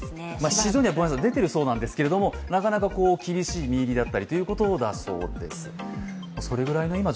市場には出ているそうなんですがなかなか厳しい実入りだったりだそうです。